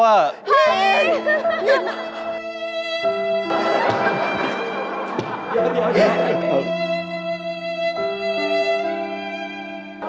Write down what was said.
เฮ่ย